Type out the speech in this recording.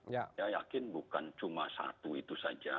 saya yakin bukan cuma satu itu saja